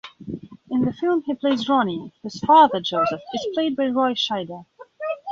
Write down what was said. In the film he plays Ronnie, whose father, Joseph, is played by Roy Scheider.